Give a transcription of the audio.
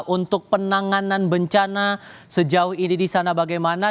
untuk penanganan bencana sejauh ini di sana bagaimana